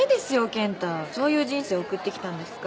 ケンタそういう人生送ってきたんですか？